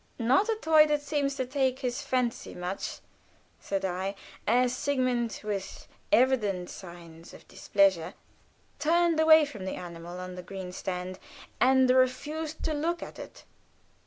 "Not a toy that seems to take his fancy much," said I, as Sigmund, with evident signs of displeasure, turned away from the animal on the green stand, and refused to look at it.